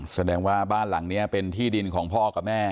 แสดงว่าบ้านหลังนี้เป็นที่ดินของพ่อกับแม่